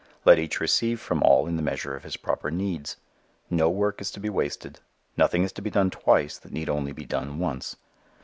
Let each receive from all in the measure of his proper needs. No work is to be wasted: nothing is to be done twice that need only be done once.